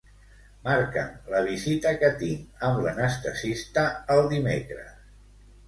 Marca'm la visita que tinc amb l'anestesista el dimecres.